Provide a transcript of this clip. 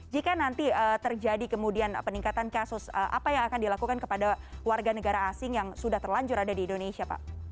jika nanti terjadi kemudian peningkatan kasus apa yang akan dilakukan kepada warga negara asing yang sudah terlanjur ada di indonesia pak